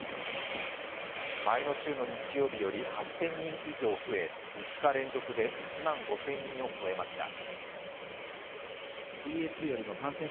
前の週の日曜日より８０００人以上増え、５日連続で１万５０００人を超えました。